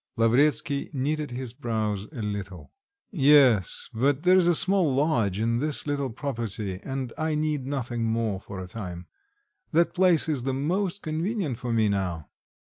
Lavretsky knitted his brows a little. "Yes... but there's a small lodge in this little property, and I need nothing more for a time. That place is the most convenient for me now."